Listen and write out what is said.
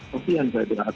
tapi yang saya berharap